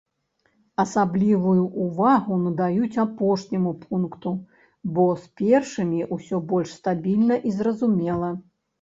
Асаблівую ўвагу надаюць апошняму пункту, бо з першымі ўсё больш стабільна і зразумела.